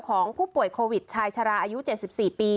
ของผู้ป่วยโควิดชายชะลาอายุ๗๔ปี